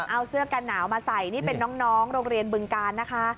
เอาเสื้อกันหนาวมาใส่นี่เป็นน้องโรงเรียนบึงการนะคะ